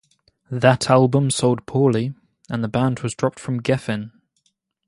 That album sold poorly, and the band was dropped from Geffen.